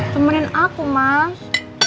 temenin aku mas